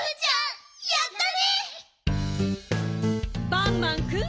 バンバンくん。